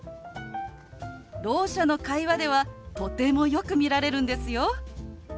ろう者の会話ではとてもよく見られるんですよ。